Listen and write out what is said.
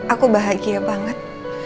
aku bahagia banget